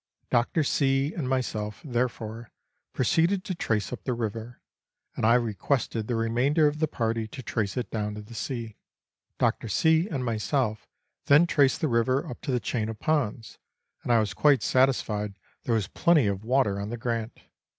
Dr. C. and myself, therefore, proceeded to trace up the river, and I requested the remainder of the party to trace it down to the sea. Dr. C. and myself then, traced the river up to the chain of ponds, and I was quite satisfied there was plenty of water on the Grant.